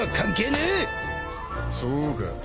そうか。